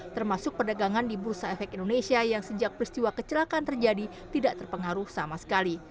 termasuk perdagangan di bursa efek indonesia yang sejak peristiwa kecelakaan terjadi tidak terpengaruh sama sekali